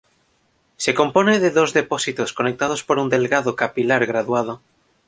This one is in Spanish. Se compone de dos depósitos conectados por un delgado capilar graduado.